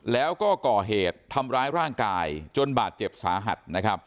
แล้วก็ก่อเหตุทำร้ายร่างกายจนบาดเจ็บสาหัสนะครับ